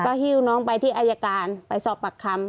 หิ้วน้องไปที่อายการไปสอบปากคำ